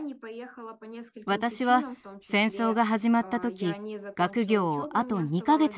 私は戦争が始まった時学業をあと２か月残していました。